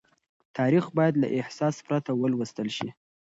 تاريخ بايد له احساس پرته ولوستل شي.